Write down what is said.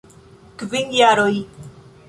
Kvin jaroj!